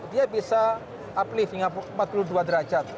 dia bisa uplift hingga empat puluh dua derajat